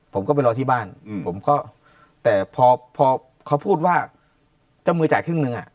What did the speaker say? ผมก็ไปรอที่บ้านผมก็แต่พอพอเขาพูดว่าเจ้ามือจ่ายครึ่งหนึ่งอ่ะ